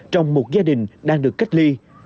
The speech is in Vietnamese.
trong một gia đình đang được cách ly